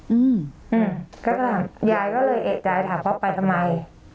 อืมก็ถามยายก็เลยเอกใจถามว่าไปทำไม